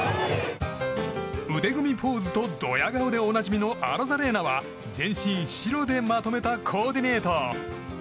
腕組みポーズとドヤ顔でおなじみのアロザレーナは、全身白でまとめたコーディネート。